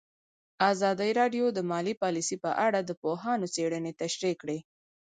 ازادي راډیو د مالي پالیسي په اړه د پوهانو څېړنې تشریح کړې.